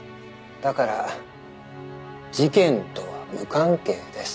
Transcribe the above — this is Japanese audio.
だから事件とは無関係です。